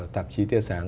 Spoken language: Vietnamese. tạp chí tsm